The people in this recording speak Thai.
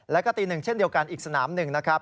แล้วก็ตีหนึ่งเช่นเดียวกันอีกสนามหนึ่งนะครับ